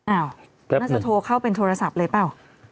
น่าจะโทรเข้าเป็นโทรศัพท์เลยเปล่า